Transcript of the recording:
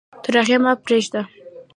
تر هغې مه پرېږده.